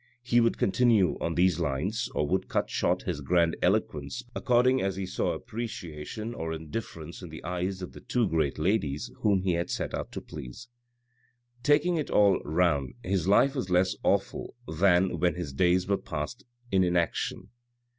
He would continue on these lines, or would cut short his grand eloquence according as he saw appreciation or indifference in the eyes of the two great ladies whom he had set out to please. Taking it all round, his life was less awful than when his days were passed in inaction.